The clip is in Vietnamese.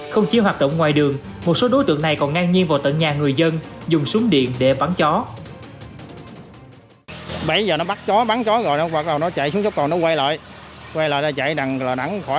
không chỉ hoạt động ngoài đường một số đối tượng này còn ngang nhiên vào tận nhà người dân dùng súng điện để bắn chó